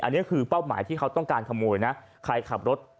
อันเนี่ยคือเป้าหมายที่เขาต้องการขโมยค่ะใครขับรถแบบนี้ก็ระวังกันด้วย